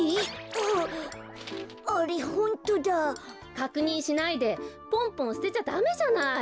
かくにんしないでポンポンすてちゃダメじゃない。